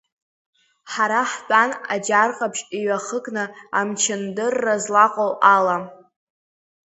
Ҳара ҳтәан Аџьар Ҟаԥшь иҩахыкны амчындырра злаҟоу ала.